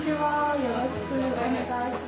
よろしくお願いします。